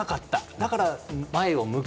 だから前を向く。